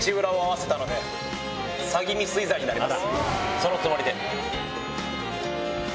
そのつもりで。